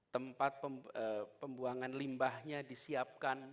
tempat pembuangan limbahnya disiapkan